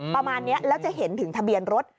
ประมาณนี้แล้วจะเห็นถึงทะเบียนรถ